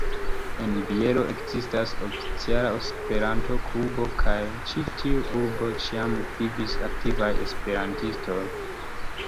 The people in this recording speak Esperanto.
En Bielo ekzistas oficiala Esperanto-klubo, kaj en ĉi-tiu urbo ĉiam vivis aktivaj Esperantistoj.